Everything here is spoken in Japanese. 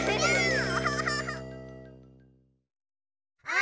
あ！